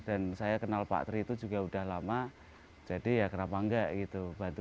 dan saya kenal pak tri itu juga udah lama jadi ya kenapa enggak gitu